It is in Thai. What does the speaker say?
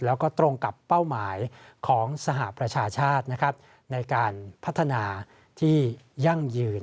แล้วก็ตรงกับเป้าหมายของสหประชาชาตินะครับในการพัฒนาที่ยั่งยืน